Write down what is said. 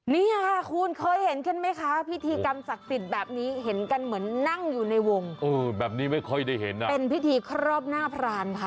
นี่ค่ะคุณเคยเห็นขึ้นไหมคะพิธีกรรมศักดิ์สิทธิ์แบบนี้เห็นกันเหมือนนั่งอยู่ในวงแบบนี้ไม่ค่อยได้เห็นอ่ะเป็นพิธีครอบหน้าพรานค่ะ